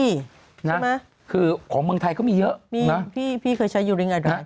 ใช่ไหมคือของเมืองไทยก็มีเยอะนะพี่เคยใช้ยูลิงค์ไอดรัน